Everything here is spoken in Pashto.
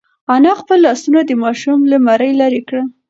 انا خپل لاسونه د ماشوم له مرۍ لرې کړل.